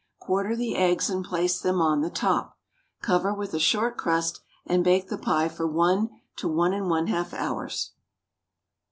Quarter the eggs and place them on the top. Cover with a short crust, and bake the pie for 1 to 1 1/2 hours.